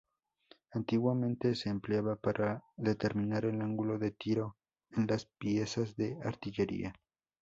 Antiguamente se empleaba para determinar el ángulo de tiro en las piezas de artillería.